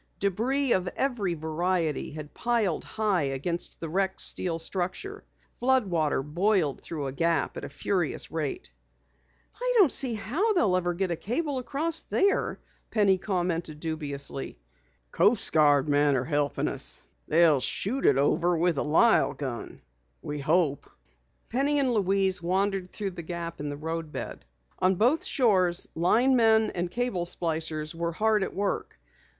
Debris of every variety had piled high against the wrecked steel structure. Flood water boiled through the gap at a furious rate. "I don't see how they'll ever get a cable across there," Penny commented dubiously. "Coast Guardsmen are helping us," the lineman explained. "They'll shoot it over with a Lyle gun we hope." Penny and Louise wandered toward the gap in the roadbed. On both shores, linemen and cable splicers were hard at work.